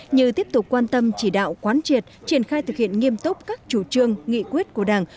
như tiếp tục quan tâm chỉ đạo quán triệt triển khai thực hiện nghiêm túc các chủ trương nghị quyết của đảng